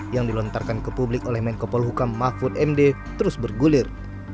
yang dilontarkan ke publik oleh menko polhukam mahfud md terus bergulir